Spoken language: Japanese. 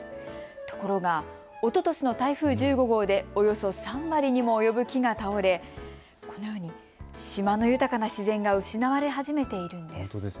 ところが、おととしの台風１５号でおよそ３割にも及ぶ木が倒れ、このように島の豊かな自然が失われ始めているんです。